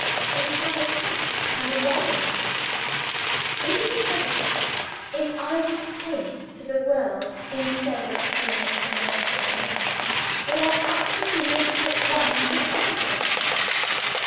We have a cat and a dog in the house. Would it be credited, if I was telling it to the world instead of telling it to my Journal, that I actually mistook one for the other to day?